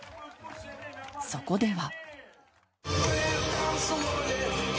そこでは。